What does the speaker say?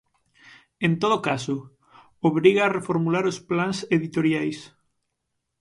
En todo caso, obriga a reformular os plans editoriais.